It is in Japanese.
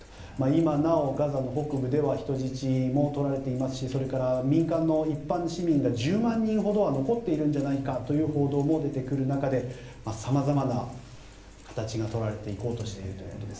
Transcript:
今なお、ガザ地区の北部では人質も取られていますしそれから民間の一般の市民が１０万人ほど残っているんじゃないかという報道も出てくる中で様々な形が取られていこうとしているということです。